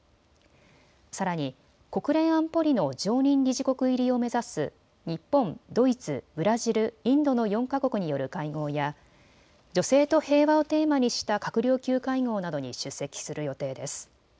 さらに国連安保理の常任理事国入りを目指す日本、ドイツ、ブラジル、インドの４か国による会合や女性と平和をテーマにした閣僚級会合などに出席する予定です。